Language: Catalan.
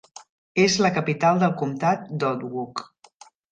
És la capital del comtat d'Otwock.